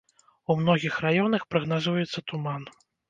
У многіх раёнах прагназуецца туман.